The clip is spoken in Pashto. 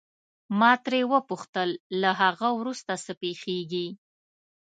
ما ترې وپوښتل له هغه وروسته څه پېښیږي.